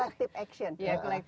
jadi ini juga bisa diperlukan